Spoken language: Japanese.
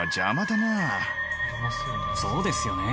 そうですよね。